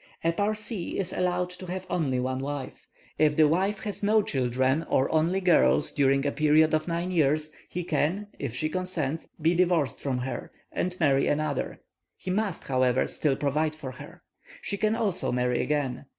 A Parsee is allowed to have only one wife. If the wife has no children, or only girls, during a period of nine years, he can, if she consents, be divorced from her, and marry another; he must, however, still provide for her. She can also marry again.